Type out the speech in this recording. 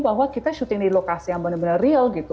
bahwa kita syuting di lokasi yang benar benar real gitu